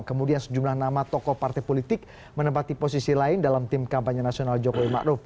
kemudian sejumlah nama tokoh partai politik menempati posisi lain dalam tim kampanye nasional jokowi ⁇ maruf ⁇